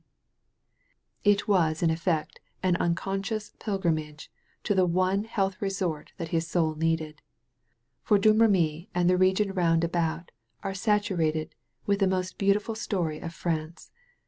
Yet it was in effect an unconscious pilgrimage to the one health resort that his soul needed. For Domiemy and the region round about are saturated with the most beautiful stoiy of France.